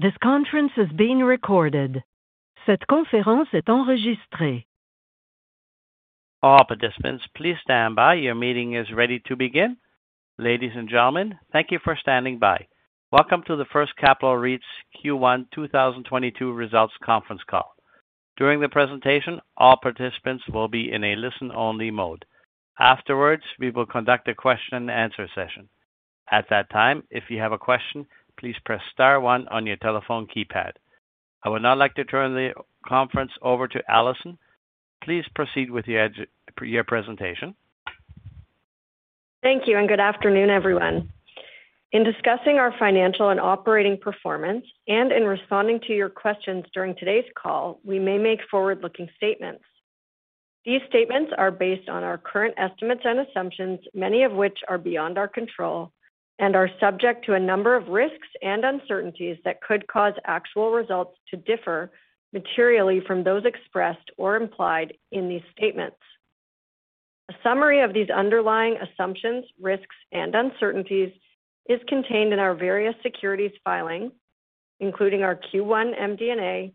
All participants, please stand by. Your meeting is ready to begin. Ladies and gentlemen, thank you for standing by. Welcome to the First Capital REIT's Q1 2022 Results Conference Call. During the presentation, all participants will be in a listen-only mode. Afterwards, we will conduct a question and answer session. At that time, if you have a question, please press star one on your telephone keypad. I would now like to turn the conference over to Alison. Please proceed with your presentation. Thank you and good afternoon, everyone. In discussing our financial and operating performance and in responding to your questions during today's call, we may make forward-looking statements. These statements are based on our current estimates and assumptions, many of which are beyond our control, and are subject to a number of risks and uncertainties that could cause actual results to differ materially from those expressed or implied in these statements. A summary of these underlying assumptions, risks, and uncertainties is contained in our various securities filings, including our Q1 MD&A,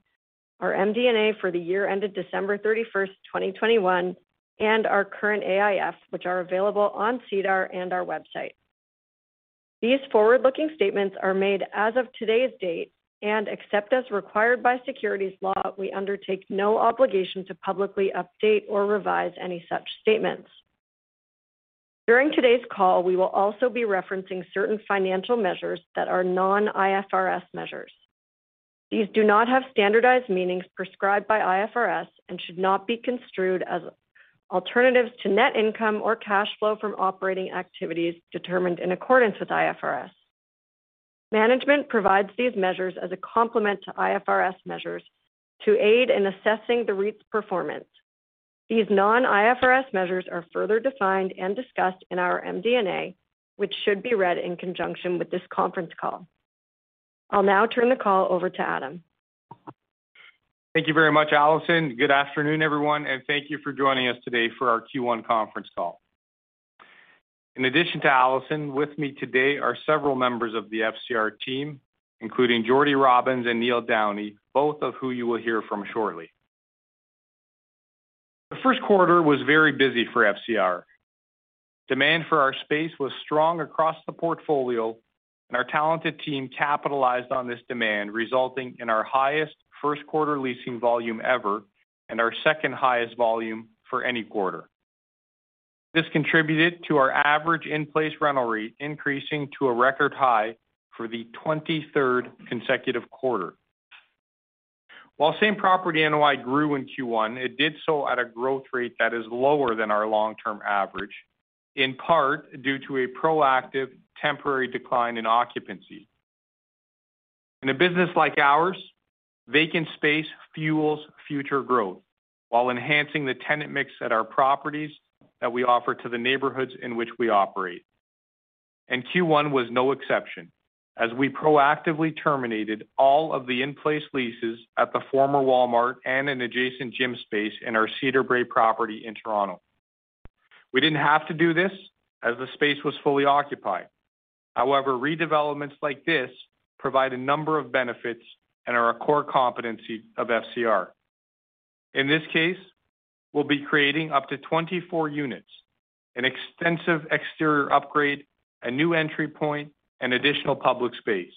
our MD&A for the year ended December 31, 2021, and our current AIF, which are available on SEDAR and our website. These forward-looking statements are made as of today's date, and except as required by securities law, we undertake no obligation to publicly update or revise any such statements. During today's call, we will also be referencing certain financial measures that are non-IFRS measures. These do not have standardized meanings prescribed by IFRS and should not be construed as alternatives to net income or cash flow from operating activities determined in accordance with IFRS. Management provides these measures as a complement to IFRS measures to aid in assessing the REIT's performance. These non-IFRS measures are further defined and discussed in our MD&A, which should be read in conjunction with this conference call. I'll now turn the call over to Adam. Thank you very much, Alison. Good afternoon, everyone, and thank you for joining us today for our Q1 conference call. In addition to Alison, with me today are several members of the FCR team, including Jordan Robins and Neil Downey, both of who you will hear from shortly. The first quarter was very busy for FCR. Demand for our space was strong across the portfolio, and our talented team capitalized on this demand, resulting in our highest first quarter leasing volume ever and our second-highest volume for any quarter. This contributed to our average in-place rental rate increasing to a record high for the twenty-third consecutive quarter. While same-property NOI grew in Q1, it did so at a growth rate that is lower than our long-term average, in part due to a proactive temporary decline in occupancy. In a business like ours, vacant space fuels future growth while enhancing the tenant mix at our properties that we offer to the neighborhoods in which we operate. Q1 was no exception as we proactively terminated all of the in-place leases at the former Walmart and an adjacent gym space in our Cedarbrae property in Toronto. We didn't have to do this as the space was fully occupied. However, redevelopments like this provide a number of benefits and are a core competency of FCR. In this case, we'll be creating up to 24 units, an extensive exterior upgrade, a new entry point, and additional public space.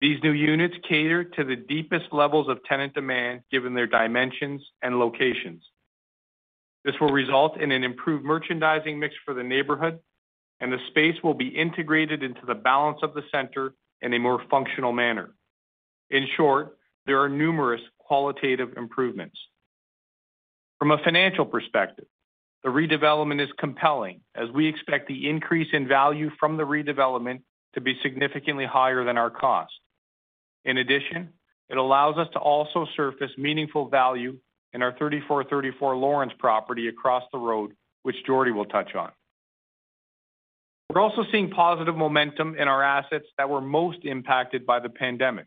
These new units cater to the deepest levels of tenant demand given their dimensions and locations. This will result in an improved merchandising mix for the neighborhood, and the space will be integrated into the balance of the center in a more functional manner. In short, there are numerous qualitative improvements. From a financial perspective, the redevelopment is compelling as we expect the increase in value from the redevelopment to be significantly higher than our cost. In addition, it allows us to also surface meaningful value in our 3434 Lawrence property across the road, which Jordie will touch on. We're also seeing positive momentum in our assets that were most impacted by the pandemic.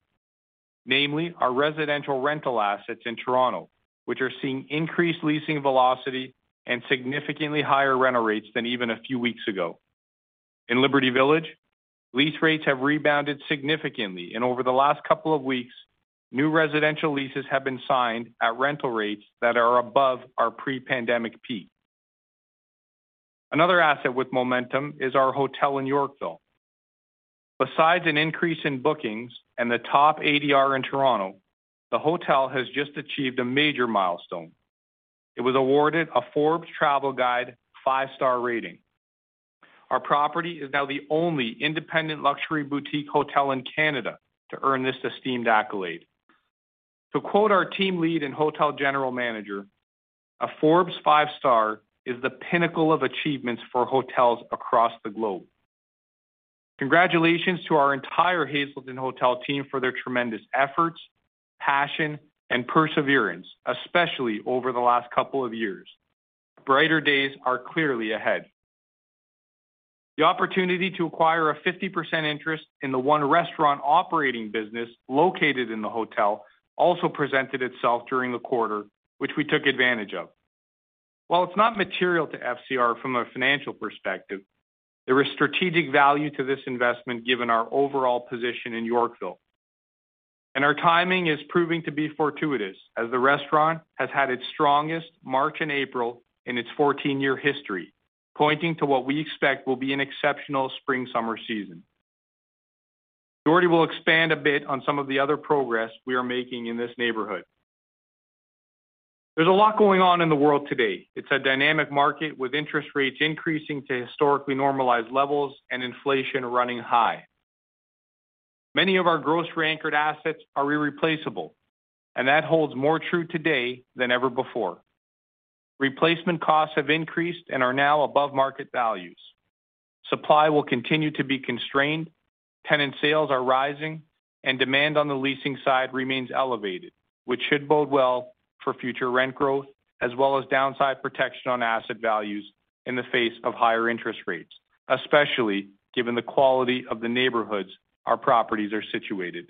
Namely, our residential rental assets in Toronto, which are seeing increased leasing velocity and significantly higher rental rates than even a few weeks ago. In Liberty Village, lease rates have rebounded significantly, and over the last couple of weeks, new residential leases have been signed at rental rates that are above our pre-pandemic peak. Another asset with momentum is our hotel in Yorkville. Besides an increase in bookings and the top ADR in Toronto, the hotel has just achieved a major milestone. It was awarded a Forbes Travel Guide five-star rating. Our property is now the only independent luxury boutique hotel in Canada to earn this esteemed accolade. To quote our team lead and hotel general manager, "A Forbes five-star is the pinnacle of achievements for hotels across the globe." Congratulations to our entire Hazelton Hotel team for their tremendous efforts, passion, and perseverance, especially over the last couple of years. Brighter days are clearly ahead. The opportunity to acquire a 50% interest in the ONE Restaurant operating business located in the hotel also presented itself during the quarter, which we took advantage of. While it's not material to FCR from a financial perspective, there is strategic value to this investment given our overall position in Yorkville. Our timing is proving to be fortuitous as the restaurant has had its strongest March and April in its 14-year history, pointing to what we expect will be an exceptional spring-summer season. Jordan Robins will expand a bit on some of the other progress we are making in this neighborhood. There's a lot going on in the world today. It's a dynamic market with interest rates increasing to historically normalized levels and inflation running high. Many of our grocery-anchored assets are irreplaceable, and that holds more true today than ever before. Replacement costs have increased and are now above market values. Supply will continue to be constrained, tenant sales are rising, and demand on the leasing side remains elevated, which should bode well for future rent growth as well as downside protection on asset values in the face of higher interest rates, especially given the quality of the neighborhoods our properties are situated.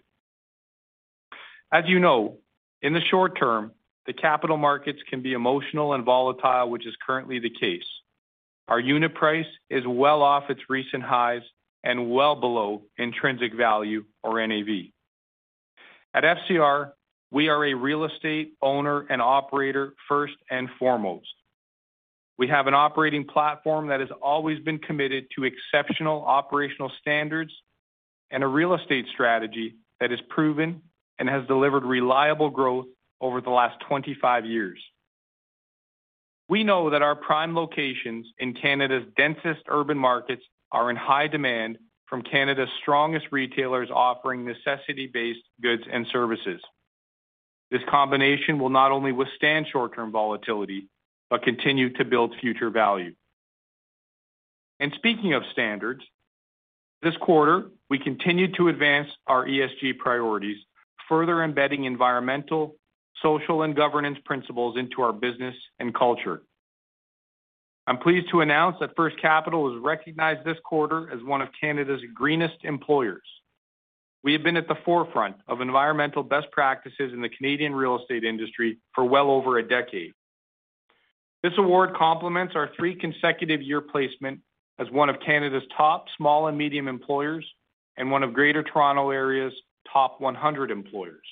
As you know, in the short term, the capital markets can be emotional and volatile, which is currently the case. Our unit price is well off its recent highs and well below intrinsic value or NAV. At FCR, we are a real estate owner and operator first and foremost. We have an operating platform that has always been committed to exceptional operational standards and a real estate strategy that is proven and has delivered reliable growth over the last 25 years. We know that our prime locations in Canada's densest urban markets are in high demand from Canada's strongest retailers offering necessity-based goods and services. This combination will not only withstand short-term volatility but continue to build future value. Speaking of standards, this quarter we continued to advance our ESG priorities, further embedding environmental, social, and governance principles into our business and culture. I'm pleased to announce that First Capital was recognized this quarter as one of Canada's greenest employers. We have been at the forefront of environmental best practices in the Canadian real estate industry for well over a decade. This award complements our three consecutive year placement as one of Canada's top small and medium employers and one of Greater Toronto Area's top 100 employers.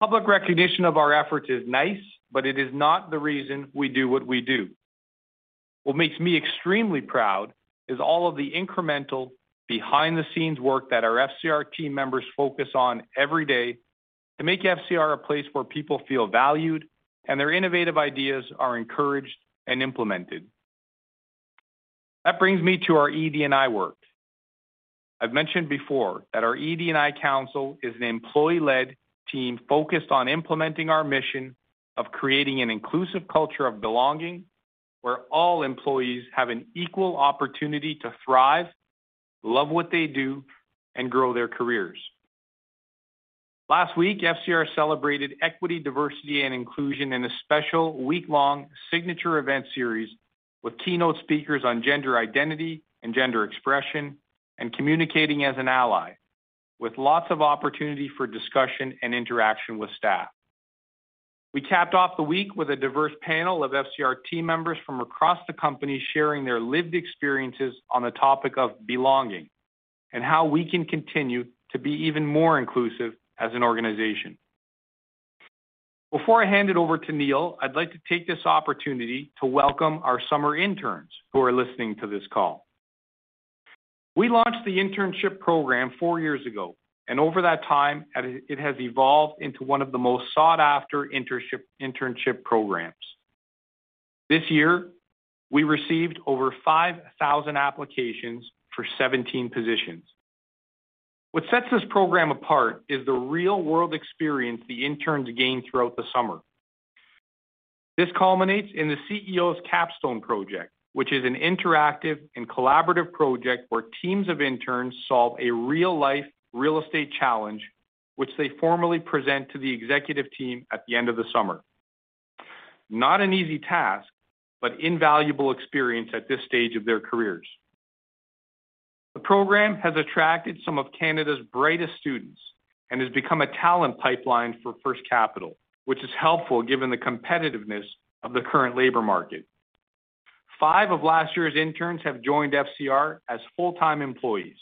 Public recognition of our efforts is nice, but it is not the reason we do what we do. What makes me extremely proud is all of the incremental behind-the-scenes work that our FCR team members focus on every day to make FCR a place where people feel valued and their innovative ideas are encouraged and implemented. That brings me to our ED&I work. I've mentioned before that our ED&I Council is an employee-led team focused on implementing our mission of creating an inclusive culture of belonging where all employees have an equal opportunity to thrive, love what they do, and grow their careers. Last week, FCR celebrated equity, diversity, and inclusion in a special week-long signature event series with keynote speakers on gender identity and gender expression and communicating as an ally, with lots of opportunity for discussion and interaction with staff. We capped off the week with a diverse panel of FCR team members from across the company sharing their lived experiences on the topic of belonging and how we can continue to be even more inclusive as an organization. Before I hand it over to Neil, I'd like to take this opportunity to welcome our summer interns who are listening to this call. We launched the internship program four years ago, and over that time, it has evolved into one of the most sought-after internship programs. This year, we received over 5,000 applications for 17 positions. What sets this program apart is the real-world experience the interns gain throughout the summer. This culminates in the CEO's Capstone Project, which is an interactive and collaborative project where teams of interns solve a real-life real estate challenge, which they formally present to the executive team at the end of the summer. Not an easy task, but invaluable experience at this stage of their careers. The program has attracted some of Canada's brightest students and has become a talent pipeline for First Capital, which is helpful given the competitiveness of the current labor market. Five of last year's interns have joined FCR as full-time employees.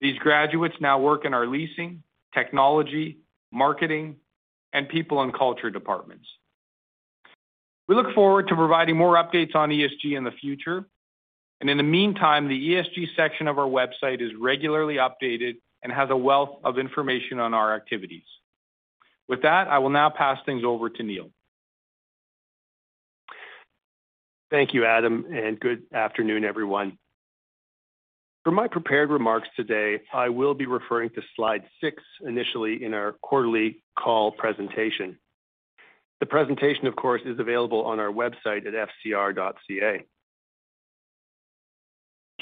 These graduates now work in our leasing, technology, marketing, and people and culture departments. We look forward to providing more updates on ESG in the future. In the meantime, the ESG section of our website is regularly updated and has a wealth of information on our activities. With that, I will now pass things over to Neil. Thank you, Adam, and good afternoon, everyone. For my prepared remarks today, I will be referring to slide six initially in our quarterly call presentation. The presentation, of course, is available on our website at fcr.ca.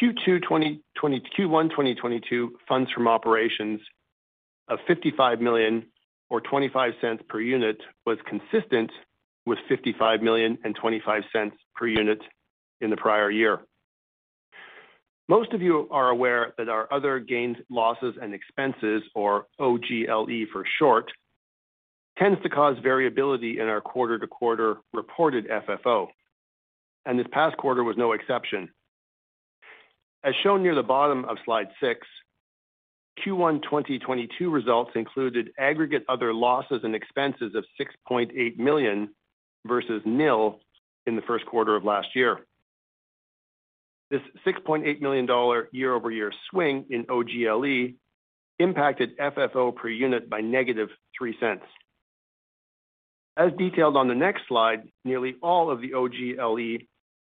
Q1 2022 funds from operations of 55 million or 0.25 per unit was consistent with 55 million and 0.25 per unit in the prior year. Most of you are aware that our other gains, losses, and expenses, or OGLE for short, tends to cause variability in our quarter-to-quarter reported FFO, and this past quarter was no exception. As shown near the bottom of slide six, Q1 2022 results included aggregate other losses and expenses of 6.8 million versus nil in the first quarter of last year. This 6.8 million dollar year-over-year swing in OGLE impacted FFO per unit by -3 cents. As detailed on the next slide, nearly all of the OGLE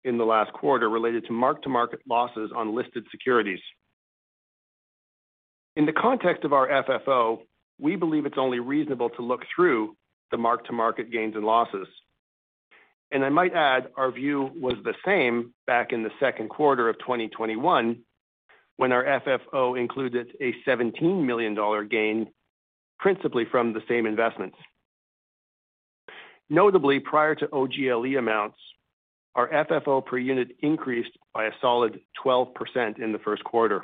in the last quarter related to mark-to-market losses on listed securities. In the context of our FFO, we believe it's only reasonable to look through the mark-to-market gains and losses. I might add, our view was the same back in the second quarter of 2021 when our FFO included a 17 million dollar gain, principally from the same investments. Notably, prior to OGLE amounts, our FFO per unit increased by a solid 12% in the first quarter.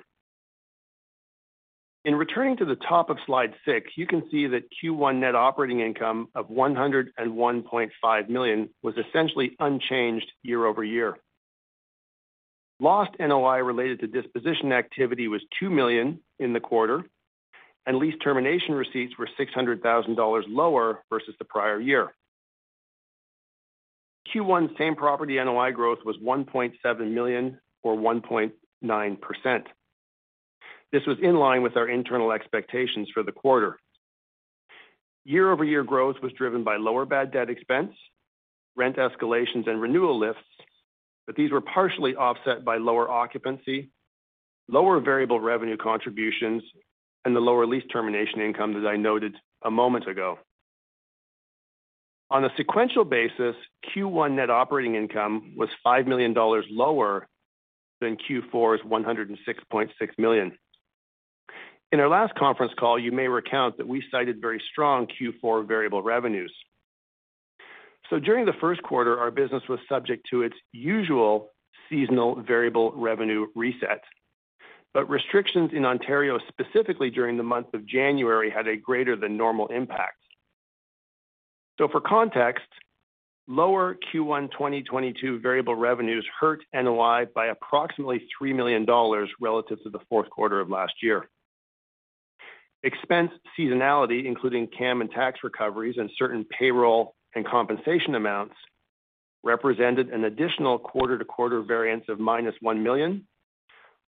In returning to the top of slide six, you can see that Q1 net operating income of 101.5 million was essentially unchanged year-over-year. Lost NOI related to disposition activity was 2 million in the quarter, and lease termination receipts were 600,000 dollars lower versus the prior year. Q1 same-property NOI growth was 1.7 million or 1.9%. This was in line with our internal expectations for the quarter. Year-over-year growth was driven by lower bad debt expense, rent escalations, and renewal lifts, but these were partially offset by lower occupancy, lower variable revenue contributions, and the lower lease termination income, as I noted a moment ago. On a sequential basis, Q1 net operating income was 5 million dollars lower than Q4's 106.6 million. In our last conference call, you may recall that we cited very strong Q4 variable revenues. During the first quarter, our business was subject to its usual seasonal variable revenue reset. Restrictions in Ontario, specifically during the month of January, had a greater than normal impact. For context, lower Q1 2022 variable revenues hurt NOI by approximately 3 million dollars relative to the fourth quarter of last year. Expense seasonality, including CAM and tax recoveries and certain payroll and compensation amounts, represented an additional quarter-to-quarter variance of -1 million,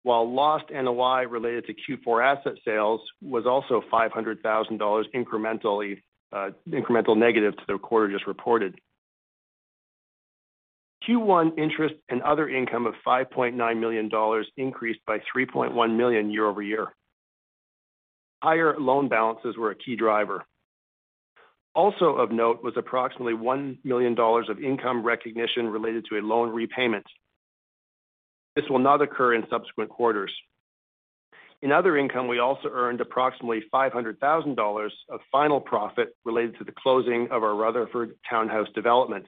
while lost NOI related to Q4 asset sales was also 500,000 dollars incrementally, incremental negative to the quarter just reported. Q1 interest and other income of 5.9 million dollars increased by 3.1 million year-over-year. Higher loan balances were a key driver. Also of note was approximately 1 million dollars of income recognition related to a loan repayment. This will not occur in subsequent quarters. In other income, we also earned approximately 500,000 dollars of final profit related to the closing of our Rutherford townhouse development.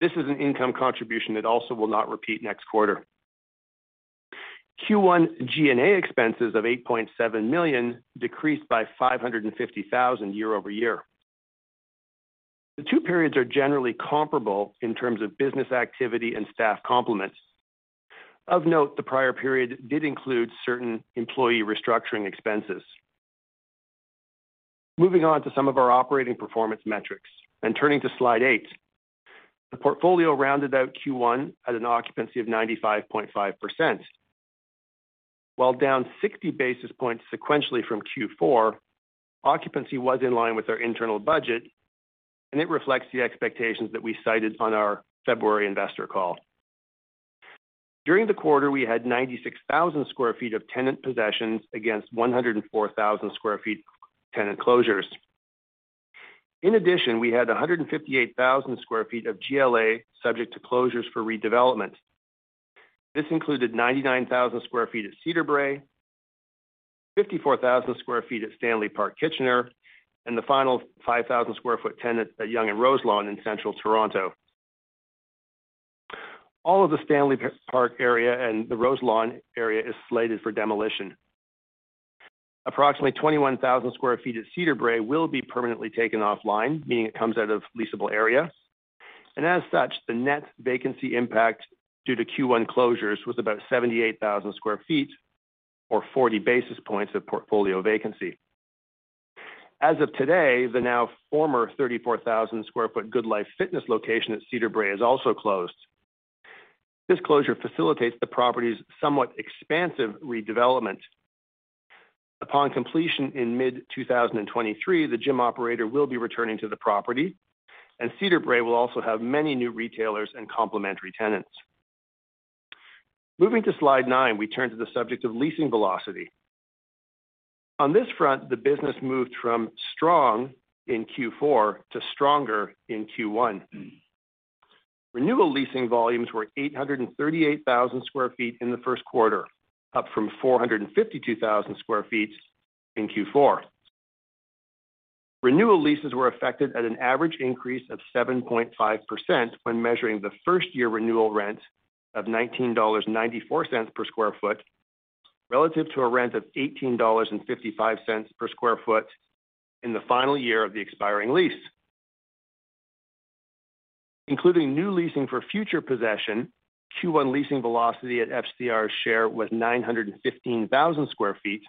This is an income contribution that also will not repeat next quarter. Q1 G&A expenses of 8.7 million decreased by 550,000 year-over-year. The two periods are generally comparable in terms of business activity and staff complements. Of note, the prior period did include certain employee restructuring expenses. Moving on to some of our operating performance metrics and turning to slide 8. The portfolio rounded out Q1 at an occupancy of 95.5%. While down 60 basis points sequentially from Q4, occupancy was in line with our internal budget, and it reflects the expectations that we cited on our February investor call. During the quarter, we had 96,000 sq ft of tenant possessions against 104,000 sq ft tenant closures. In addition, we had 158,000 sq ft of GLA subject to closures for redevelopment. This included 99,000 sq ft at Cedarbrae, 54,000 sq ft at Stanley Park, Kitchener, and the final 5,000 sq ft tenant at Yonge and Roselawn in Central Toronto. All of the Stanley Park area and the Roselawn area is slated for demolition. Approximately 21,000 sq ft at Cedarbrae will be permanently taken offline, meaning it comes out of leasable area. As such, the net vacancy impact due to Q1 closures was about 78,000 sq ft or 40 basis points of portfolio vacancy. As of today, the now former 34,000 sq ft GoodLife Fitness location at Cedarbrae is also closed. This closure facilitates the property's somewhat expansive redevelopment. Upon completion in mid-2023, the gym operator will be returning to the property, and Cedarbrae will also have many new retailers and complementary tenants. Moving to slide nine, we turn to the subject of leasing velocity. On this front, the business moved from strong in Q4 to stronger in Q1. Renewal leasing volumes were 838,000 sq ft in the first quarter, up from 452,000 sq ft in Q4. Renewal leases were effected at an average increase of 7.5% when measuring the first year renewal rent of 19.94 dollars per sq ft, relative to a rent of 18.55 dollars per sq ft in the final year of the expiring lease. Including new leasing for future possession, Q1 leasing velocity at FCR's share was 915,000 sq ft,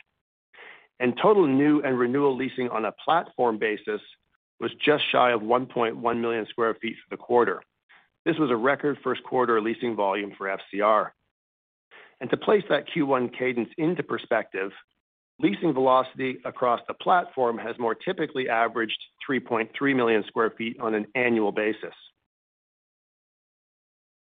and total new and renewal leasing on a platform basis was just shy of 1.1 million sq ft for the quarter. This was a record first quarter leasing volume for FCR. To place that Q1 cadence into perspective, leasing velocity across the platform has more typically averaged 3.3 million sq ft on an annual basis.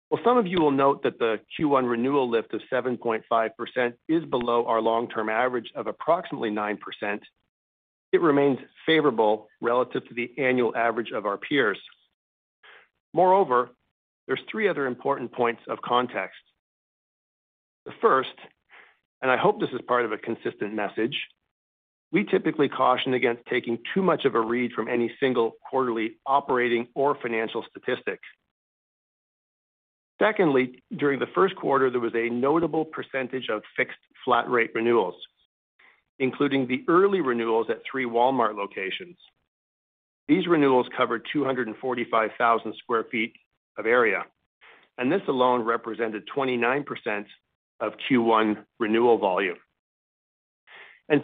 While some of you will note that the Q1 renewal lift of 7.5% is below our long-term average of approximately 9%, it remains favorable relative to the annual average of our peers. Moreover, there's three other important points of context. The first, and I hope this is part of a consistent message, we typically caution against taking too much of a read from any single quarterly operating or financial statistics. Secondly, during the first quarter, there was a notable percentage of fixed flat rate renewals, including the early renewals at 3 Walmart locations. These renewals covered 245,000 sq ft of area, and this alone represented 29% of Q1 renewal volume.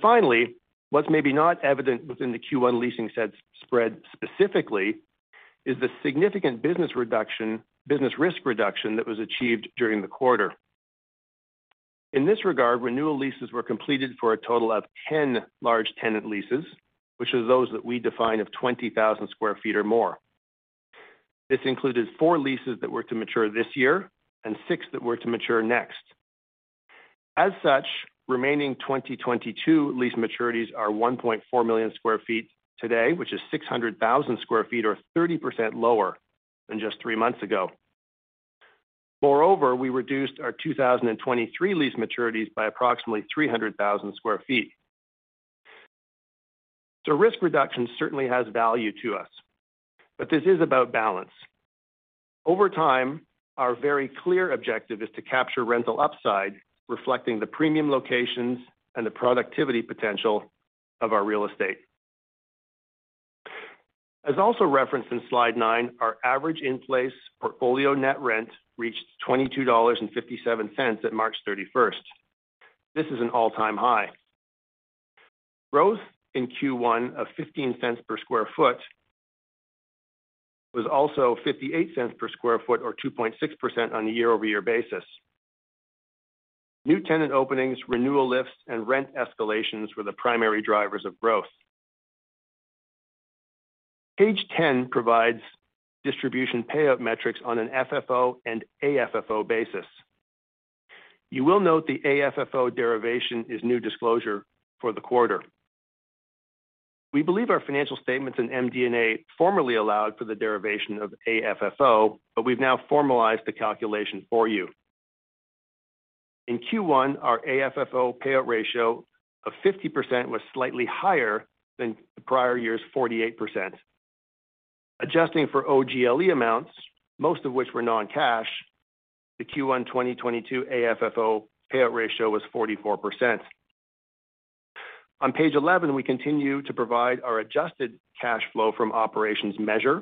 Finally, what's maybe not evident within the Q1 leasing net spread specifically is the significant business risk reduction that was achieved during the quarter. In this regard, renewal leases were completed for a total of 10 large tenant leases, which are those that we define of 20,000 sq ft or more. This included four leases that were to mature this year and six that were to mature next. Remaining 2022 lease maturities are 1.4 million sq ft today, which is 600,000 sq ft, or 30% lower than just three months ago. Moreover, we reduced our 2023 lease maturities by approximately 300,000 sq ft. Risk reduction certainly has value to us, but this is about balance. Over time, our very clear objective is to capture rental upside, reflecting the premium locations and the productivity potential of our real estate. As also referenced in slide nine, our average in-place portfolio net rent reached 22.57 dollars at March 31st. This is an all-time high. Growth in Q1 of 0.15 per sq ft was also 0.58 per sq ft or 2.6% on a year-over-year basis. New tenant openings, renewal lifts, and rent escalations were the primary drivers of growth. Page ten provides distribution payout metrics on an FFO and AFFO basis. You will note the AFFO derivation is new disclosure for the quarter. We believe our financial statements in MD&A formerly allowed for the derivation of AFFO, but we've now formalized the calculation for you. In Q1, our AFFO payout ratio of 50% was slightly higher than the prior year's 48%. Adjusting for OGLE amounts, most of which were non-cash, the Q1 2022 AFFO payout ratio was 44%. On page 11, we continue to provide our adjusted cash flow from operations measure.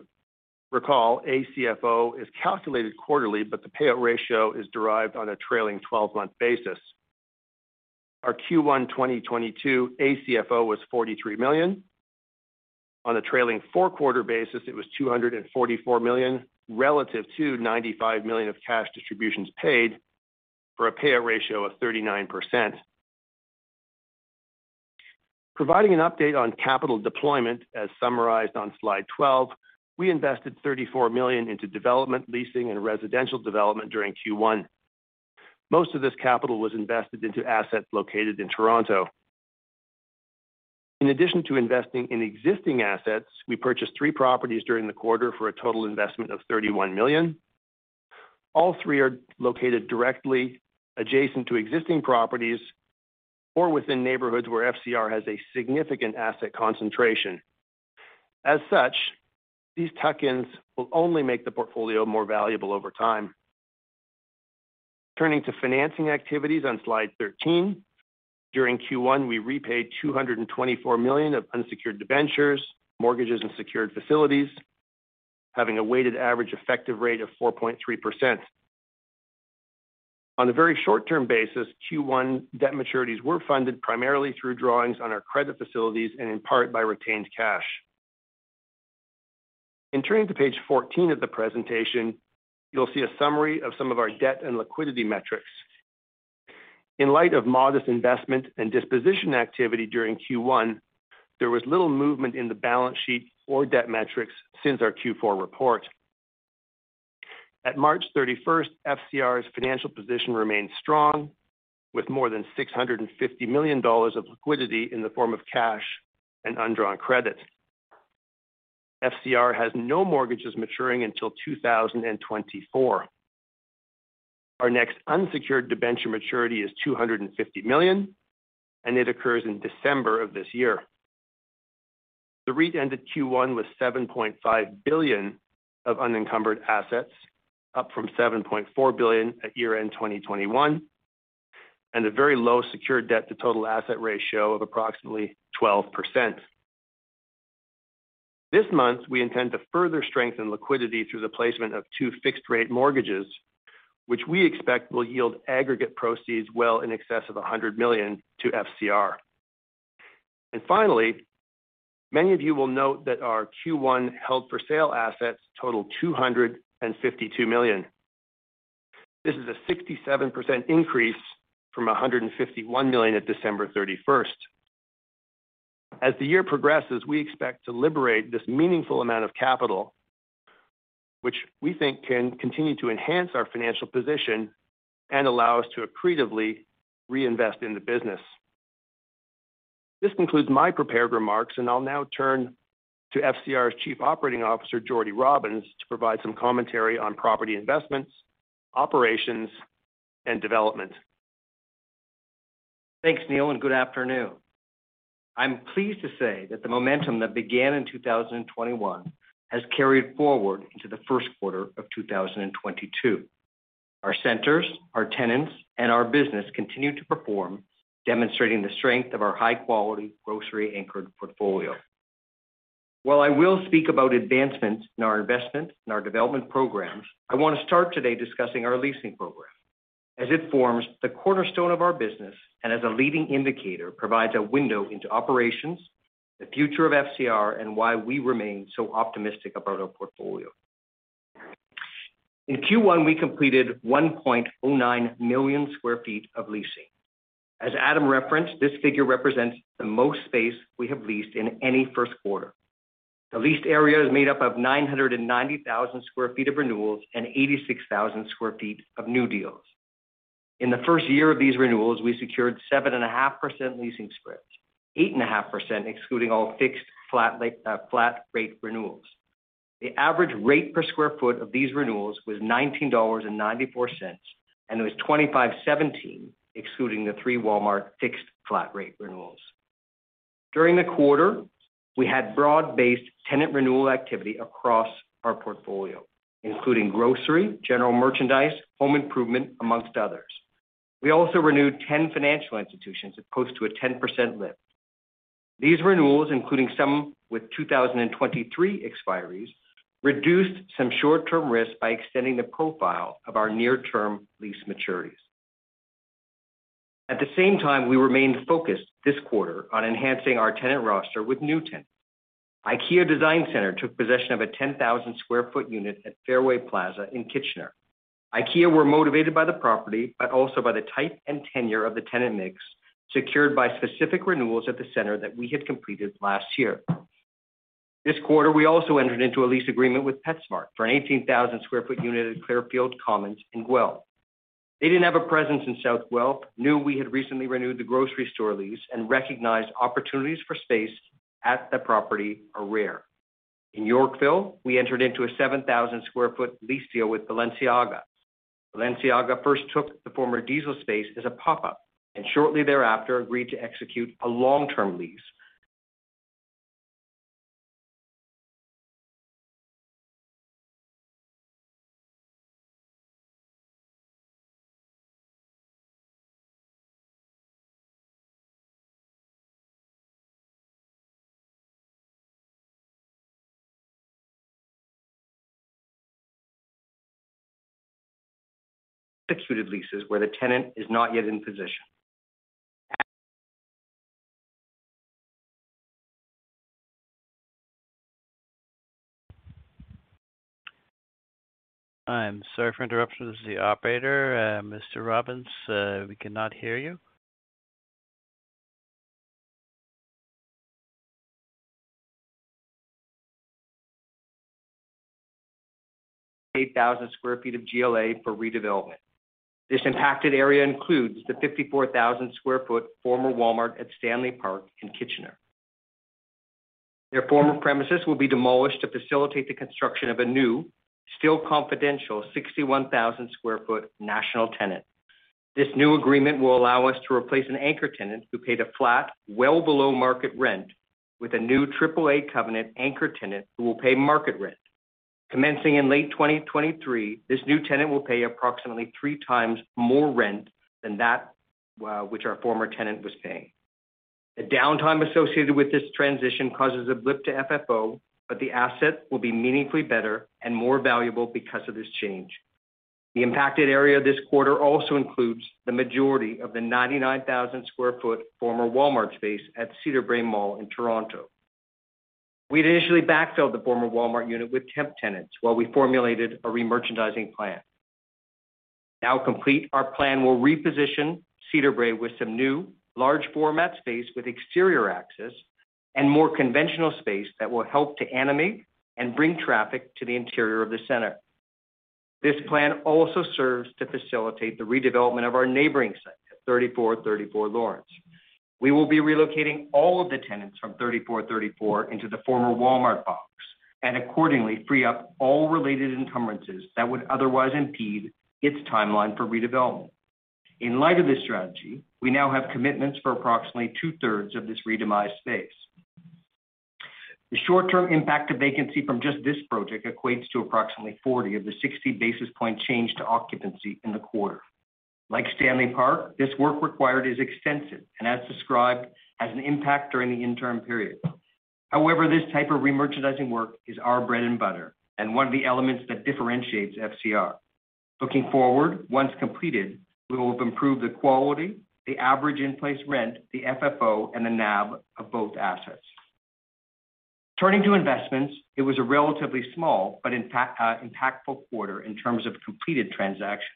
Recall, ACFO is calculated quarterly, but the payout ratio is derived on a trailing twelve-month basis. Our Q1 2022 ACFO was 43 million. On a trailing four-quarter basis, it was 244 million relative to 95 million of cash distributions paid for a payout ratio of 39%. Providing an update on capital deployment as summarized on slide 12, we invested 34 million into development, leasing, and residential development during Q1. Most of this capital was invested into assets located in Toronto. In addition to investing in existing assets, we purchased three properties during the quarter for a total investment of 31 million. All three are located directly adjacent to existing properties or within neighborhoods where FCR has a significant asset concentration. As such, these tuck-ins will only make the portfolio more valuable over time. Turning to financing activities on slide 13, during Q1, we repaid 224 million of unsecured debentures, mortgages, and secured facilities, having a weighted average effective rate of 4.3%. On a very short-term basis, Q1 debt maturities were funded primarily through drawings on our credit facilities and in part by retained cash. In turning to page 14 of the presentation, you'll see a summary of some of our debt and liquidity metrics. In light of modest investment and disposition activity during Q1, there was little movement in the balance sheet or debt metrics since our Q4 report. At March 31st, FCR's financial position remained strong with more than 650 million dollars of liquidity in the form of cash and undrawn credit. FCR has no mortgages maturing until 2024. Our next unsecured debenture maturity is 250 million, and it occurs in December of this year. The REIT ended Q1 with 7.5 billion of unencumbered assets, up from 7.4 billion at year-end 2021, and a very low secured debt to total asset ratio of approximately 12%. This month, we intend to further strengthen liquidity through the placement of two fixed-rate mortgages, which we expect will yield aggregate proceeds well in excess of 100 million to FCR. Finally, many of you will note that our Q1 held for sale assets totaled 252 million. This is a 67% increase from 151 million at December 31st. As the year progresses, we expect to liberate this meaningful amount of capital, which we think can continue to enhance our financial position and allow us to accretively reinvest in the business. This concludes my prepared remarks, and I'll now turn to FCR's Chief Operating Officer, Jordan Robins, to provide some commentary on property investments, operations, and development. Thanks, Neil, and good afternoon. I'm pleased to say that the momentum that began in 2021 has carried forward into the first quarter of 2022. Our centers, our tenants, and our business continue to perform, demonstrating the strength of our high-quality grocery anchored portfolio. While I will speak about advancements in our investment and our development programs, I want to start today discussing our leasing program as it forms the cornerstone of our business and as a leading indicator, provides a window into operations, the future of FCR, and why we remain so optimistic about our portfolio. In Q1, we completed 1.09 million sq ft of leasing. As Adam referenced, this figure represents the most space we have leased in any first quarter. The leased area is made up of 990,000 sq ft of renewals and 86,000 sq ft of new deals. In the first year of these renewals, we secured 7.5% leasing spreads, 8.5% excluding all fixed flat rate renewals. The average rate per square foot of these renewals was 19.94 dollars, and it was 25.17 dollars excluding the three Walmart fixed flat rate renewals. During the quarter, we had broad-based tenant renewal activity across our portfolio, including grocery, general merchandise, home improvement, among others. We also renewed 10 financial institutions as opposed to a 10% lift. These renewals, including some with 2023 expiries, reduced some short-term risk by extending the profile of our near-term lease maturities. At the same time, we remained focused this quarter on enhancing our tenant roster with new tenants. IKEA Design Center took possession of a 10,000 sq ft unit at Fairway Plaza in Kitchener. IKEA were motivated by the property, but also by the type and tenure of the tenant mix secured by specific renewals at the center that we had completed last year. This quarter, we also entered into a lease agreement with PetSmart for an 18,000 sq ft unit at Clairfield Commons in Guelph. They didn't have a presence in South Guelph, knew we had recently renewed the grocery store lease and recognized opportunities for space at the property are rare. In Yorkville, we entered into a 7,000 sq ft lease deal with Balenciaga. Balenciaga first took the former Diesel space as a pop-up, and shortly thereafter, agreed to execute a long-term lease. Executed leases where the tenant is not yet in possession. I'm sorry for interruption. This is the operator. Mr. Robins, we cannot hear you. 8,000 sq ft of GLA for redevelopment. This impacted area includes the 54,000 sq ft former Walmart at Stanley Park in Kitchener. Their former premises will be demolished to facilitate the construction of a new, still confidential 61,000 sq ft national tenant. This new agreement will allow us to replace an anchor tenant who paid a flat well below market rent with a new triple A covenant anchor tenant who will pay market rent. Commencing in late 2023, this new tenant will pay approximately three times more rent than that, which our former tenant was paying. The downtime associated with this transition causes a blip to FFO, but the asset will be meaningfully better and more valuable because of this change. The impacted area this quarter also includes the majority of the 99,000 sq ft former Walmart space at Cedarbrae Mall in Toronto. We'd initially backfilled the former Walmart unit with temp tenants while we formulated a remerchandising plan. Now complete, our plan will reposition Cedarbrae with some new large format space with exterior access and more conventional space that will help to animate and bring traffic to the interior of the center. This plan also serves to facilitate the redevelopment of our neighboring site at 3434 Lawrence. We will be relocating all of the tenants from 3434 into the former Walmart box. Accordingly, free up all related encumbrances that would otherwise impede its timeline for redevelopment. In light of this strategy, we now have commitments for approximately two-thirds of this re-demised space. The short-term impact of vacancy from just this project equates to approximately 40 of the 60 basis point change to occupancy in the quarter. Like Stanley Park, this work required is extensive and as described, has an impact during the interim period. However, this type of remerchandising work is our bread and butter, and one of the elements that differentiates FCR. Looking forward, once completed, we will have improved the quality, the average in-place rent, the FFO, and the NAV of both assets. Turning to investments, it was a relatively small but impactful quarter in terms of completed transactions.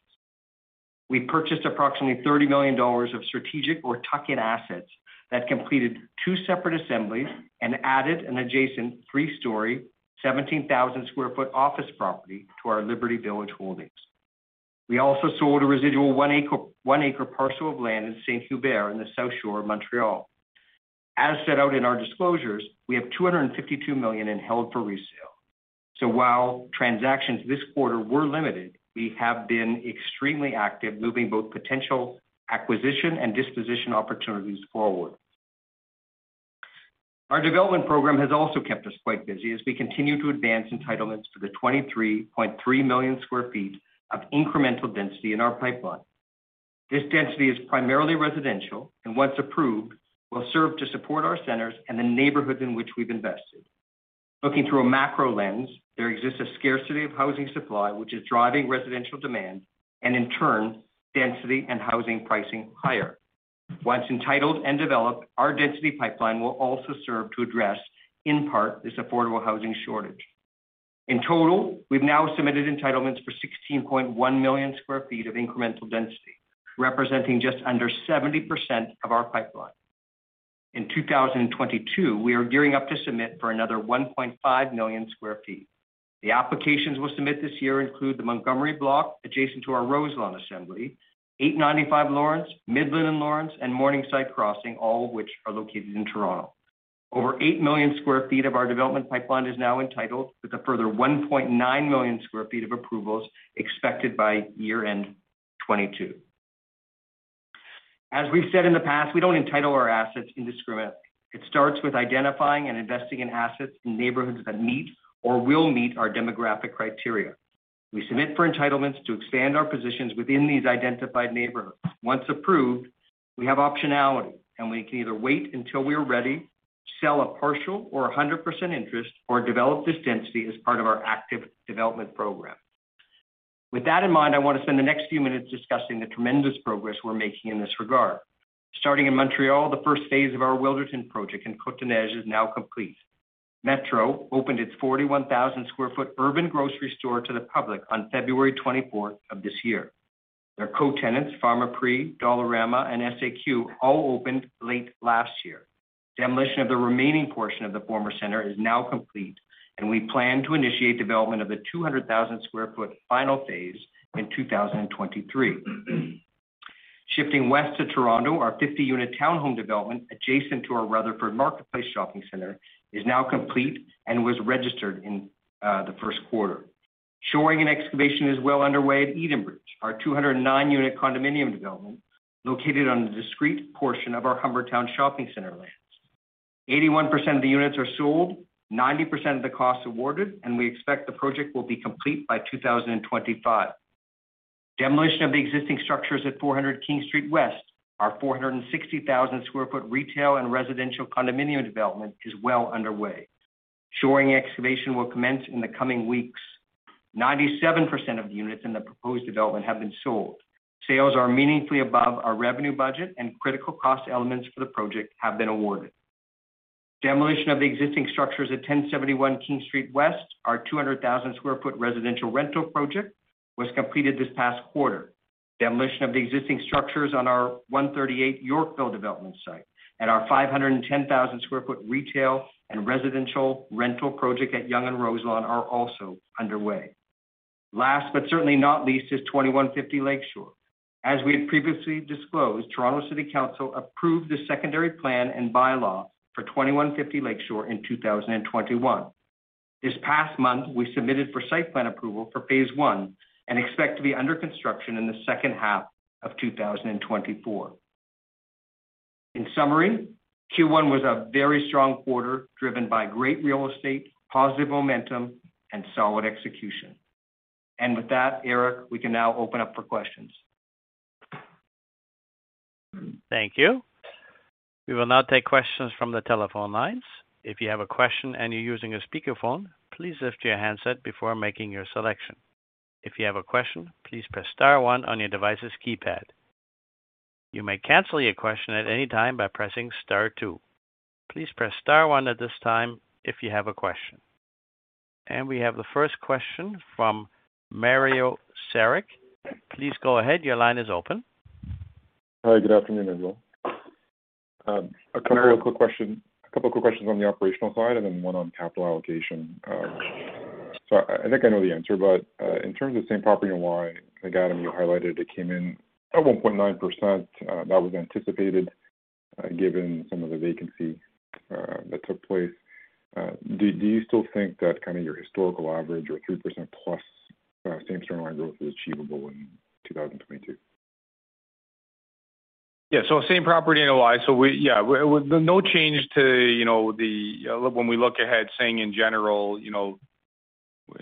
We purchased approximately 30 million dollars of strategic or tuck-in assets that completed two separate assemblies and added an adjacent three-story, 17,000 sq ft office property to our Liberty Village holdings. We also sold a residual 1 acre parcel of land in Saint-Hubert in the South Shore of Montreal. As set out in our disclosures, we have 252 million in held for resale. While transactions this quarter were limited, we have been extremely active moving both potential acquisition and disposition opportunities forward. Our development program has also kept us quite busy as we continue to advance entitlements to the 23.3 million sq ft of incremental density in our pipeline. This density is primarily residential, and once approved, will serve to support our centers and the neighborhoods in which we've invested. Looking through a macro lens, there exists a scarcity of housing supply, which is driving residential demand, and in turn, density and housing pricing higher. Once entitled and developed, our density pipeline will also serve to address, in part, this affordable housing shortage. In total, we've now submitted entitlements for 16.1 million sq ft of incremental density, representing just under 70% of our pipeline. In 2022, we are gearing up to submit for another 1.5 million sq ft. The applications we'll submit this year include the Montgomery Block adjacent to our Roselawn assembly, 895 Lawrence, Midland and Lawrence, and Morningside Crossing, all of which are located in Toronto. Over 8 million sq ft of our development pipeline is now entitled, with a further 1.9 million sq ft of approvals expected by year-end 2022. As we've said in the past, we don't entitle our assets indiscriminately. It starts with identifying and investing in assets in neighborhoods that meet or will meet our demographic criteria. We submit for entitlements to expand our positions within these identified neighborhoods. Once approved, we have optionality, and we can either wait until we are ready, sell a partial or a hundred percent interest, or develop this density as part of our active development program. With that in mind, I want to spend the next few minutes discussing the tremendous progress we're making in this regard. Starting in Montreal, the first phase of our Wilderton project in Côte-des-Neiges is now complete. Metro opened its 41,000 sq ft urban grocery store to the public on February twenty-fourth of this year. Their co-tenants, Pharmaprix, Dollarama, and SAQ all opened late last year. Demolition of the remaining portion of the former center is now complete, and we plan to initiate development of the 200,000 sq ft final phase in 2023. Shifting west to Toronto, our 50-unit town home development adjacent to our Rutherford Marketplace Shopping Center is now complete and was registered in the first quarter. Shoring and excavation is well underway at Edenbridge, our 209-unit condominium development located on the discrete portion of our Humber Town Shopping Center lands. 81% of the units are sold, 90% of the costs awarded, and we expect the project will be complete by 2025. Demolition of the existing structures at 400 King Street West, our 460,000 sq ft retail and residential condominium development is well underway. Shoring excavation will commence in the coming weeks. 97% of the units in the proposed development have been sold. Sales are meaningfully above our revenue budget and critical cost elements for the project have been awarded. Demolition of the existing structures at 1,071 King Street West, our 200,000 sq ft residential rental project was completed this past quarter. Demolition of the existing structures on our 138 Yorkville development site and our 510,000 sq ft retail and residential rental project at Yonge and Roselawn are also underway. Last, but certainly not least, is 2,150 Lakeshore. As we had previously disclosed, Toronto City Council approved the secondary plan and bylaw for 2,150 Lakeshore in 2021. This past month, we submitted for site plan approval for phase one and expect to be under construction in the second half of 2024. In summary, Q1 was a very strong quarter driven by great real estate, positive momentum, and solid execution. With that, Eric, we can now open up for questions. Thank you. We will now take questions from the telephone lines. If you have a question and you're using a speaker phone, please lift your handset before making your selection. If you have a question, please press star one on your device's keypad. You may cancel your question at any time by pressing star two. Please press star one at this time if you have a question. We have the first question from Mario Saric. Please go ahead, your line is open. Hi. Good afternoon, everyone. A couple of quick questions on the operational side and then one on capital allocation. I think I know the answer, but in terms of same property NOI, I got them. You highlighted it came in at 1.9%. That was anticipated given some of the vacancy that took place. Do you still think that kind of your historical average or 3%+ same store NOI growth is achievable in 2022? Same property NOI. We with no change to, you know, when we look ahead saying in general, you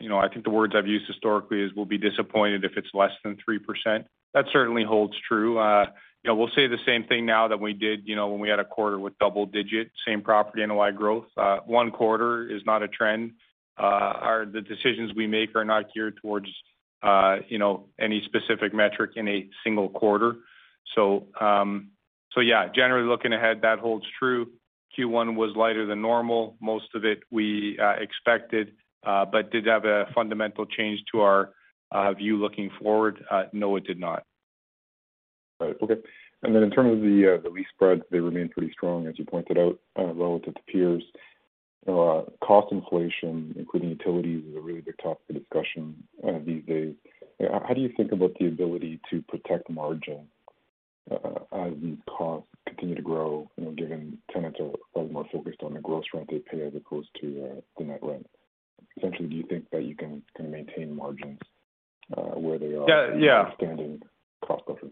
know, I think the words I've used historically is we'll be disappointed if it's less than 3%. That certainly holds true. You know, we'll say the same thing now that we did, you know, when we had a quarter with double digit same property NOI growth. One quarter is not a trend. The decisions we make are not geared towards, you know, any specific metric in a single quarter. Generally looking ahead, that holds true. Q1 was lighter than normal. Most of it we expected, but did have a fundamental change to our view looking forward. No, it did not. Right. Okay. In terms of the lease spreads, they remain pretty strong, as you pointed out, relative to peers. Cost inflation, including utilities, is a really big topic of discussion these days. How do you think about the ability to protect margin as costs continue to grow, you know, given tenants are more focused on the gross rent they pay as opposed to the net rent? Essentially, do you think that you can maintain margins where they are? Yeah. Yeah. Standing cost coverage?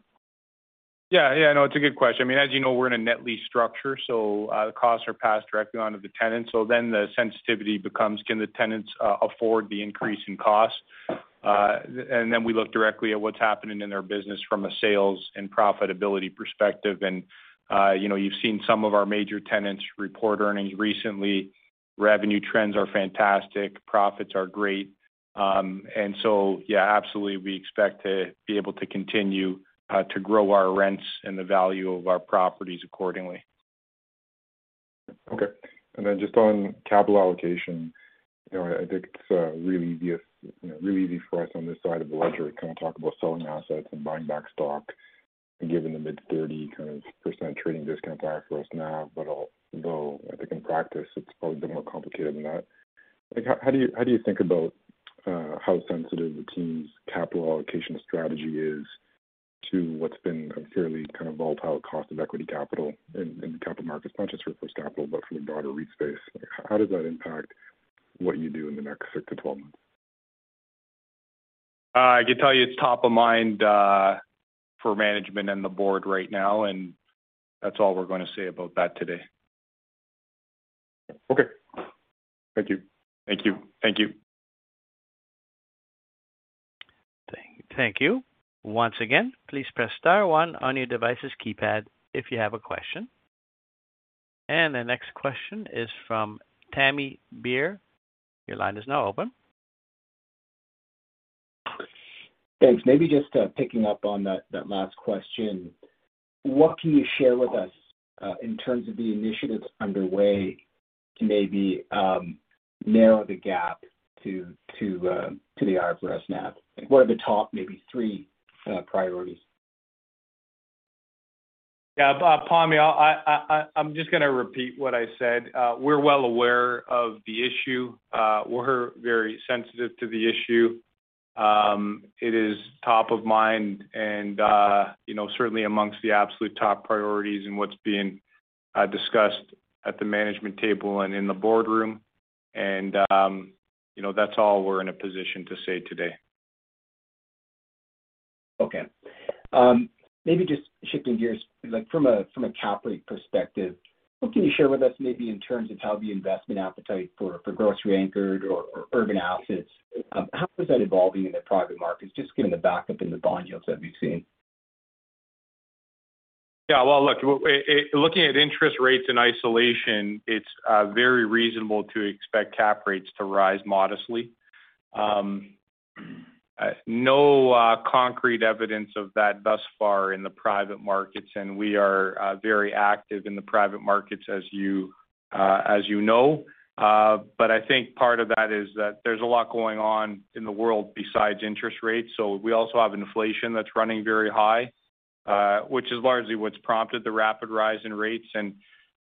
Yeah. Yeah. No, it's a good question. I mean, as you know, we're in a net lease structure, so the costs are passed directly on to the tenants. The sensitivity becomes can the tenants afford the increase in cost? We look directly at what's happening in their business from a sales and profitability perspective. You know, you've seen some of our major tenants report earnings recently. Revenue trends are fantastic. Profits are great. Yeah, absolutely, we expect to be able to continue to grow our rents and the value of our properties accordingly. Okay. Just on capital allocation, you know, I think it's really easy, you know, really easy for us on this side of the ledger to kind of talk about selling assets and buying back stock given the mid-30% trading discount to IFRS NAV, but though I think in practice it's probably been more complicated than that. Like, how do you think about how sensitive the team's capital allocation strategy is to what's been a fairly kind of volatile cost of equity capital in capital markets, not just for First Capital, but for the broader REIT space? How does that impact what you do in the next six to twelve months? I can tell you it's top of mind for management and the board right now, and that's all we're gonna say about that today. Okay. Thank you. Thank you. Thank you. Thank you. Once again, please press star one on your device's keypad if you have a question. The next question is from Pammi Bir. Your line is now open. Thanks. Maybe just picking up on that last question. What can you share with us in terms of the initiatives underway to maybe narrow the gap to the IFRS NAV? Like, what are the top maybe three priorities? Yeah. Pammi, I'm just gonna repeat what I said. We're well aware of the issue. We're very sensitive to the issue. It is top of mind and you know, certainly among the absolute top priorities in what's being discussed at the management table and in the boardroom. You know, that's all we're in a position to say today. Okay. Maybe just shifting gears, like from a cap rate perspective, what can you share with us maybe in terms of how the investment appetite for grocery anchored or urban assets, how is that evolving in the private markets, just given the backup in the bond yields that we've seen? Yeah. Well, look, looking at interest rates in isolation, it's very reasonable to expect cap rates to rise modestly. No concrete evidence of that thus far in the private markets, and we are very active in the private markets, as you know. I think part of that is that there's a lot going on in the world besides interest rates. We also have inflation that's running very high, which is largely what's prompted the rapid rise in rates. You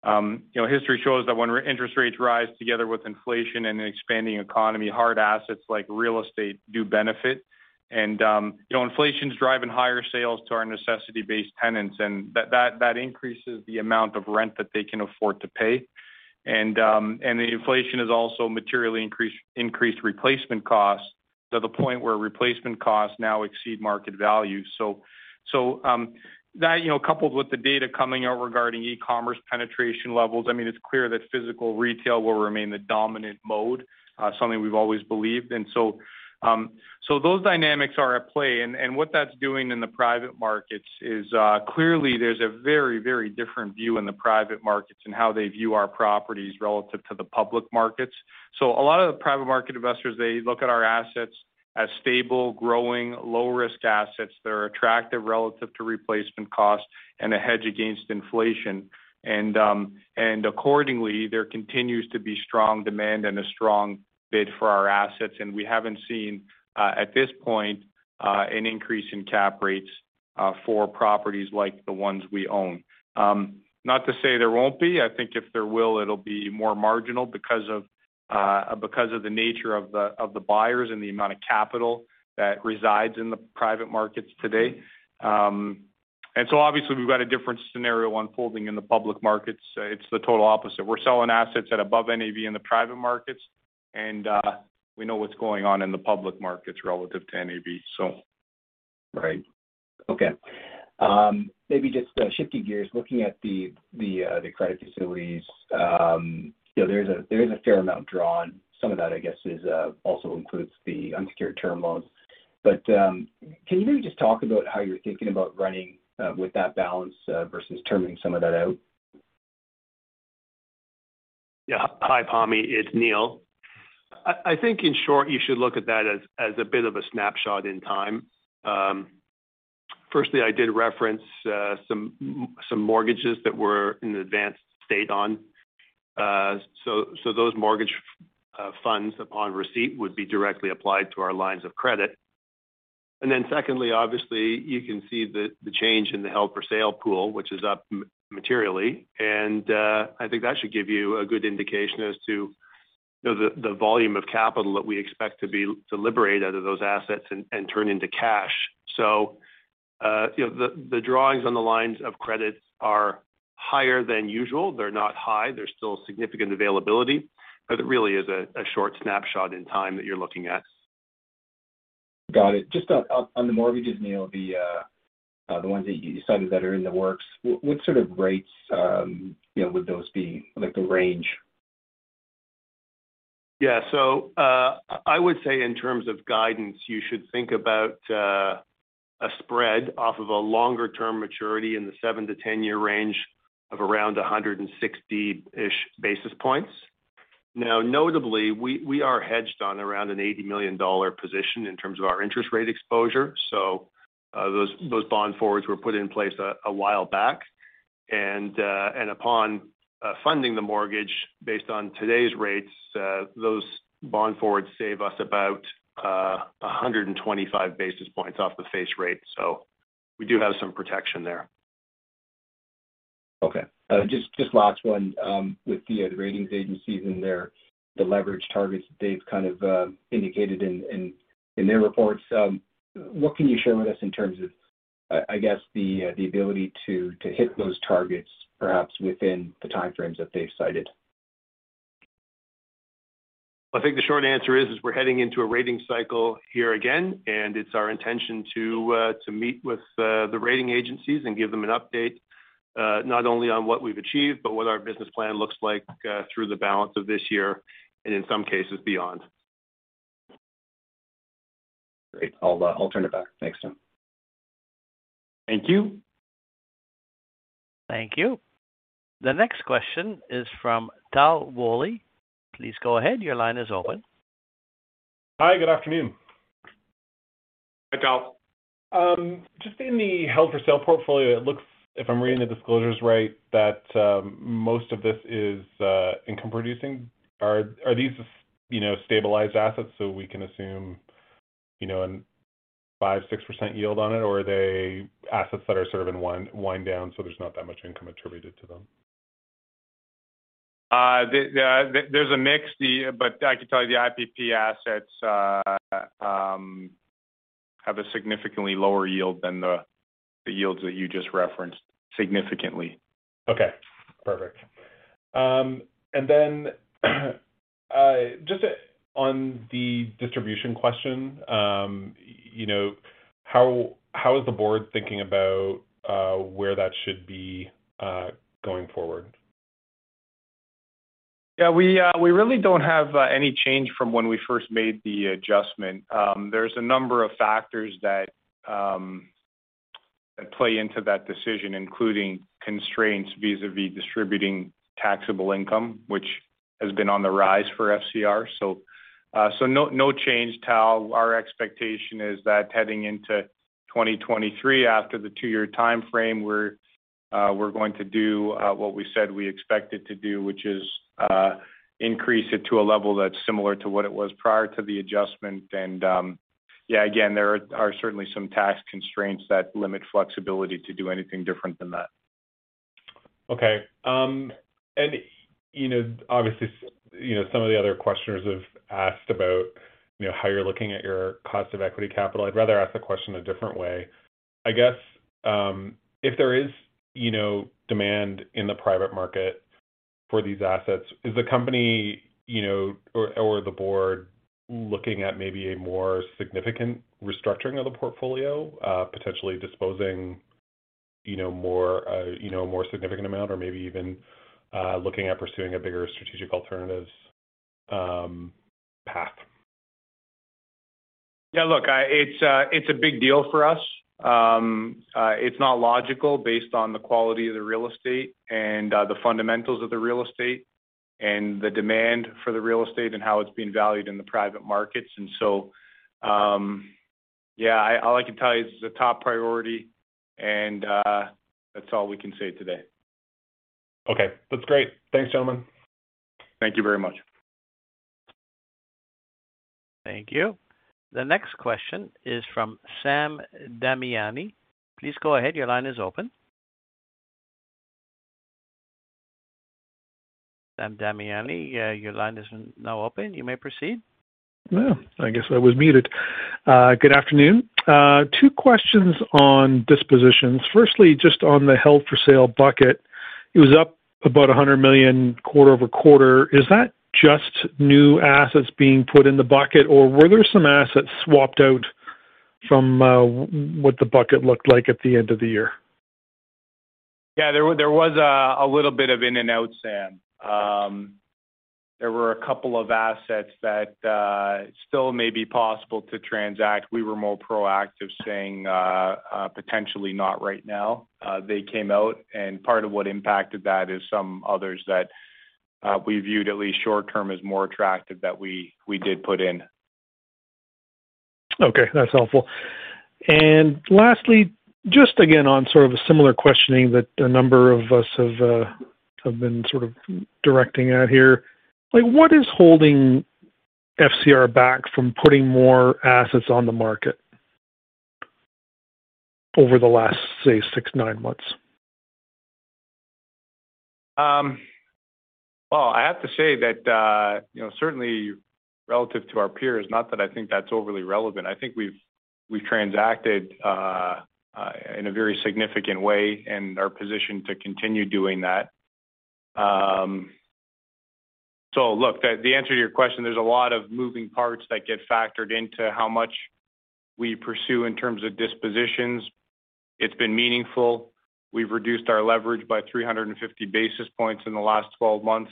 know, history shows that when interest rates rise together with inflation and an expanding economy, hard assets like real estate do benefit. You know, inflation's driving higher sales to our necessity-based tenants, and that increases the amount of rent that they can afford to pay. The inflation has also materially increased replacement costs to the point where replacement costs now exceed market value. That, you know, coupled with the data coming out regarding e-commerce penetration levels, I mean, it's clear that physical retail will remain the dominant mode, something we've always believed. Those dynamics are at play. What that's doing in the private markets is, clearly there's a very, very different view in the private markets and how they view our properties relative to the public markets. A lot of the private market investors, they look at our assets as stable, growing, low risk assets that are attractive relative to replacement costs and a hedge against inflation. Accordingly, there continues to be strong demand and a strong bid for our assets. We haven't seen, at this point, an increase in cap rates. For properties like the ones we own. Not to say there won't be. I think if there will, it'll be more marginal because of the nature of the buyers and the amount of capital that resides in the private markets today. Obviously, we've got a different scenario unfolding in the public markets. It's the total opposite. We're selling assets at above NAV in the private markets, and we know what's going on in the public markets relative to NAV, so. Maybe just shifting gears, looking at the credit facilities, you know, there is a fair amount drawn. Some of that, I guess, is also includes the unsecured term loans. Can you maybe just talk about how you're thinking about running with that balance versus terming some of that out? Yeah. Hi, Pami. It's Neil. I think in short you should look at that as a bit of a snapshot in time. Firstly, I did reference some mortgages that were in an advanced state on. Those mortgage funds upon receipt would be directly applied to our lines of credit. Secondly, obviously, you can see the change in the held for sale pool, which is up materially. I think that should give you a good indication as to you know the volume of capital that we expect to liberate out of those assets and turn into cash. You know the drawings on the lines of credit are higher than usual. They're not high. There's still significant availability. It really is a short snapshot in time that you're looking at. Got it. Just on the mortgages, Neil, the ones that you cited that are in the works, what sort of rates, you know, would those be? Like the range? Yeah. I would say in terms of guidance, you should think about a spread off of a longer-term maturity in the seven to ten-year range of around 160-ish basis points. Now, notably, we are hedged on around a 80 million dollar position in terms of our interest rate exposure, so those bond forwards were put in place a while back. Upon funding the mortgage based on today's rates, those bond forwards save us about 125 basis points off the face rate. We do have some protection there. Okay. Just last one. With the rating agencies and their leverage targets that they've kind of indicated in their reports, what can you share with us in terms of, I guess the ability to hit those targets perhaps within the time frames that they've cited? I think the short answer is we're heading into a rating cycle here again, and it's our intention to meet with the rating agencies and give them an update, not only on what we've achieved, but what our business plan looks like, through the balance of this year and in some cases beyond. Great. I'll turn it back. Thanks, Neil. Thank you. Thank you. The next question is from Tal Woolley. Please go ahead. Your line is open. Hi. Good afternoon. Hi, Tal. Just in the held for sale portfolio, it looks, if I'm reading the disclosures right, that most of this is income producing. Are these, you know, stabilized assets so we can assume, you know, a 5%-6% yield on it, or are they assets that are sort of in wind down, so there's not that much income attributed to them? There's a mix, but I could tell you the IPP assets have a significantly lower yield than the yields that you just referenced. Significantly. Okay. Perfect. Just on the distribution question, you know, how is the board thinking about where that should be going forward? Yeah. We really don't have any change from when we first made the adjustment. There's a number of factors that play into that decision, including constraints vis-à-vis distributing taxable income, which has been on the rise for FCR. No change, Tal. Our expectation is that heading into 2023, after the two-year timeframe, we're going to do what we said we expected to do, which is increase it to a level that's similar to what it was prior to the adjustment. Yeah, again, there are certainly some tax constraints that limit flexibility to do anything different than that. Okay. You know, obviously, you know, some of the other questioners have asked about, you know, how you're looking at your cost of equity capital. I'd rather ask the question a different way. I guess, if there is, you know, demand in the private market for these assets, is the company, you know, or the board looking at maybe a more significant restructuring of the portfolio, you know, a more significant amount or maybe even, looking at pursuing a bigger strategic alternatives, path? Yeah. Look, it's a big deal for us. It's not logical based on the quality of the real estate and the fundamentals of the real estate and the demand for the real estate and how it's being valued in the private markets. All I can tell you is it's a top priority, and that's all we can say today. Okay. That's great. Thanks, gentlemen. Thank you very much. Thank you. The next question is from Sam Damiani. Please go ahead. Your line is open. Sam Damiani, your line is now open. You may proceed. Well, I guess I was muted. Good afternoon. Two questions on dispositions. Firstly, just on the held for sale bucket. It was up about 100 million quarter-over-quarter. Is that just new assets being put in the bucket, or were there some assets swapped out from what the bucket looked like at the end of the year? Yeah, there was a little bit of in and out, Sam. There were a couple of assets that still may be possible to transact. We were more proactive saying potentially not right now. They came out, and part of what impacted that is some others that we viewed at least short-term as more attractive that we did put in. Okay, that's helpful. Lastly, just again on sort of a similar questioning that a number of us have been sort of directing at here, like, what is holding FCR back from putting more assets on the market over the last, say, 6, 9 months? Well, I have to say that, you know, certainly relative to our peers, not that I think that's overly relevant, I think we've transacted in a very significant way and are positioned to continue doing that. Look, the answer to your question, there's a lot of moving parts that get factored into how much we pursue in terms of dispositions. It's been meaningful. We've reduced our leverage by 350 basis points in the last 12 months.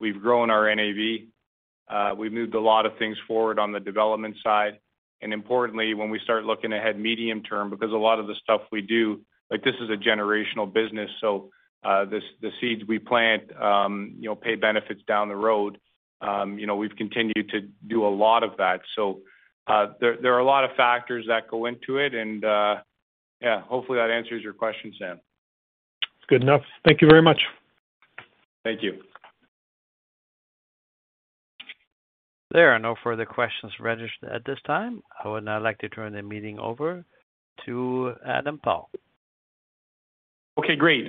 We've grown our NAV. We've moved a lot of things forward on the development side, and importantly, when we start looking ahead medium term, because a lot of the stuff we do, like this is a generational business, so this, the seeds we plant, you know, pay benefits down the road. You know, we've continued to do a lot of that. There are a lot of factors that go into it, and yeah, hopefully that answers your question, Sam. It's good enough. Thank you very much. Thank you. There are no further questions registered at this time. I would now like to turn the meeting over to Adam Paul. Okay, great.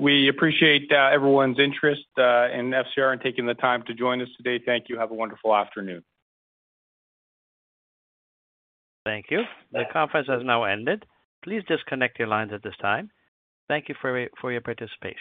We appreciate everyone's interest in FCR and taking the time to join us today. Thank you. Have a wonderful afternoon. Thank you. The conference has now ended. Please disconnect your lines at this time. Thank you for your participation.